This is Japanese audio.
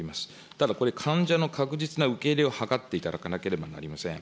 ただ、これ、患者の確実な受け入れを図っていただかなければなりません。